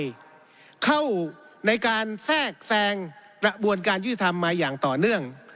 และบุคคลทั่วไปเข้าในการแทรกแทรงประบวนการยุทธธรรมมาอย่างต่อเนื่อง